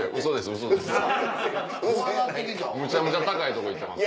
むちゃむちゃ高いとこ行ってます。